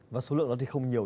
và số lượng đó thì không nhiều